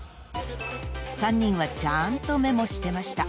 ［３人はちゃんとメモしてました］